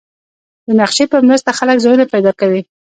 د نقشې په مرسته خلک ځایونه پیدا کوي.